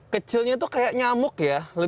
kecilnya tuh kayak nyamuk ya